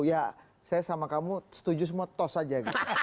ya saya sama kamu setuju semua tos aja